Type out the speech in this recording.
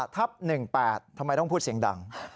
ทำไมต้องพูดเสียงดัง